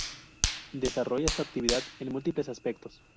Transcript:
Desarrolla su actividad en múltiples aspectos.